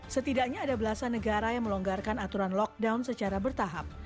setidaknya ada belasan negara yang melonggarkan aturan lockdown secara bertahap